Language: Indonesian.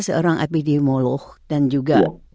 seorang epidemiolog dan juga